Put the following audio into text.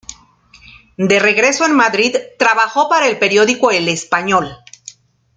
De regreso en Madrid, trabajó para el periódico "El Español".